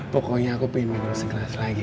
pokoknya aku pengen sekelas lagi